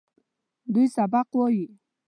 دوی سبق وايي.